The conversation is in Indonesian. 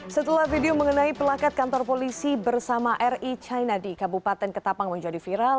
setelah video mengenai pelakat kantor polisi bersama ri china di kabupaten ketapang menjadi viral